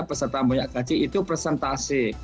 peserta yang punya gaji itu presentasi